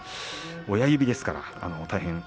親指ですからね。